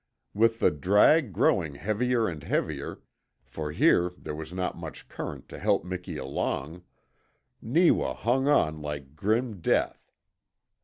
With the drag growing heavier and heavier for here there was not much current to help Miki along Neewa hung on like grim death.